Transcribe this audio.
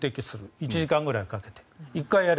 １時間ぐらいかけて。